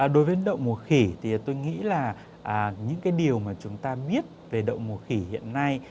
đối với đậu mùa khỉ thì tôi nghĩ là những cái điều mà chúng ta biết về đậu mùa khỉ hiện nay